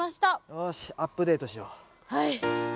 よしアップデートしよう。